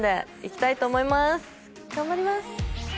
頑張ります！